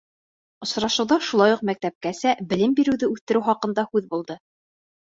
Осрашыуҙа шулай уҡ мәктәпкәсә белем биреүҙе үҫтереү хаҡында һүҙ булды.